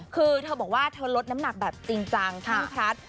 คือเธอบอกว่าเธอลดน้ำหนักแบบจริงจังเคร่งครัด